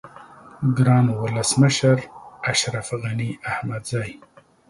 گران ولس مشر اشرف غنی احمدزی